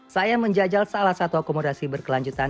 saya menjajal salah satu akomodasi berkelanjutan